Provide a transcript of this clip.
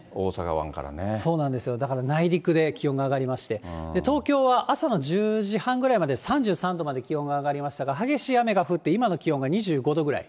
そうなんですよ、だから内陸で気温が上がりました、東京は朝の１０時半ぐらいは３３度まで気温が上がりましたが、激しい雨が降って今の気温が２５度ぐらい。